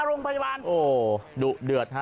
โรงพยาบาลโอ้ดุเดือดฮะ